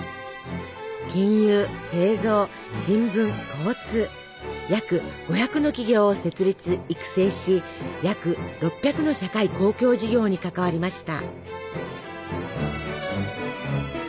金融製造新聞交通約５００の企業を設立育成し約６００の社会公共事業に関わりました。